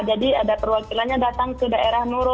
ada perwakilannya datang ke daerah nurul